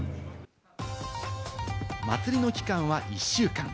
祭りの期間は１週間。